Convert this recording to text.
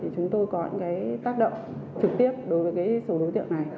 chúng tôi có những tác động trực tiếp đối với số đối tượng này